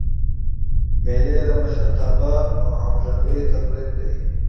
مېلې د مشرتابه او همږغۍ تمرین دئ.